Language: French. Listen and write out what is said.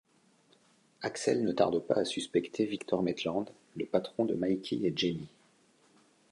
Axel ne tarde pas à suspecter Victor Maitland, le patron de Mikey et Jenny.